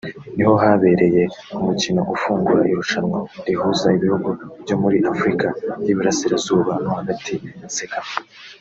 niho habereye umukino ufungura irushanwa rihuza ibihugu byo muri Afurika y’i Burasirazuba no hagati “Cecafa”